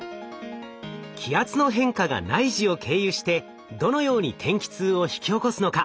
気圧の変化が内耳を経由してどのように天気痛を引き起こすのか？